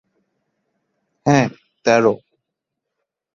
হ্যাঁ, তেরো।